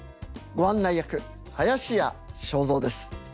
ご案内役林家正蔵です。